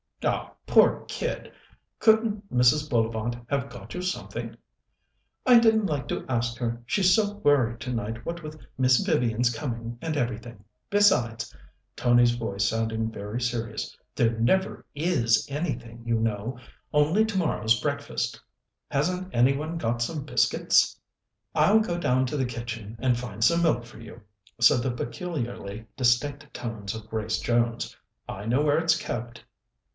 "Oh, poor kid! Couldn't Mrs. Bullivant have got you something?" "I didn't like to ask her; she's so worried tonight, what with Miss Vivian's coming and everything. Besides" Tony's voice sounded very serious "there never is anything, you know. Only tomorrow's breakfast." "Hasn't any one got some biscuits?" "I'll go down to the kitchen and find some milk for you," said the peculiarly distinct tones of Grace Jones. "I know where it's kept."